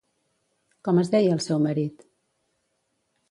Com es deia el seu marit?